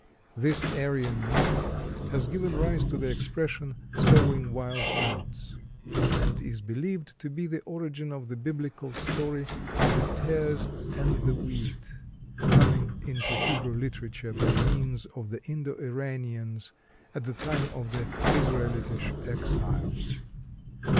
This Aryan myth has given rise to the expression, "Sowing wild oats," and is believed to be the origin of the biblical story of the tares and the wheat, coming into Hebrew literature by means of the Indo Iranians at the time of the Israelitish exile.